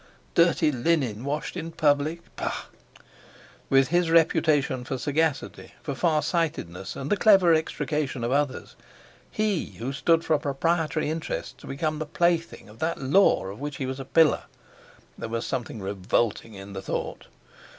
Dirty linen washed in public? Pah! With his reputation for sagacity, for far sightedness and the clever extrication of others, he, who stood for proprietary interests, to become the plaything of that Law of which he was a pillar! There was something revolting in the thought!